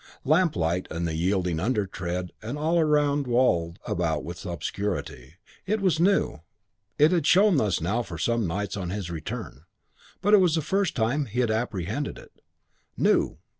Lamplight, and the yielding undertread and all around walled about with obscurity. It was new. It had shown thus now for some nights on his return. But it was the first time he had apprehended it. New.